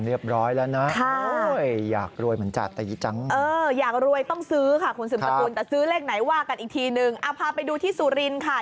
เรียบร้อยแล้วนะอยากรวยเหมือนจาตีจังเอออยากรวยต้องซื้อค่ะคุณสืบสกุลแต่ซื้อเลขไหนว่ากันอีกทีนึงเอาพาไปดูที่สุรินทร์ค่ะ